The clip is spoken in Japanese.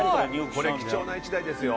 これ、貴重な１台ですよ。